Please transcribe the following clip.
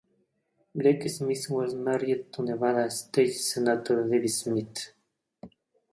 Greg Smith was married to Nevada state senator Debbie Smith.